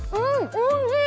おいしい！